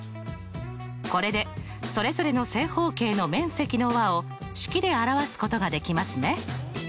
これでそれぞれの正方形の面積の和を式で表すことができますね。